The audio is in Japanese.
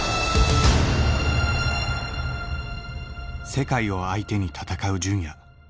世界を相手に戦う純也。